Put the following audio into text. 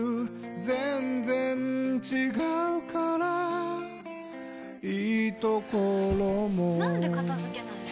全然違うからいいところもなんで片付けないの？